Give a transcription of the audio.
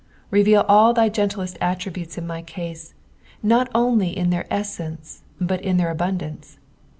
RcTeal all thy gentlest attributes in my case, not only in their easence but in their abundance.